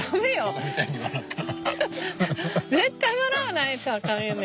絶対笑わないとあかんよね。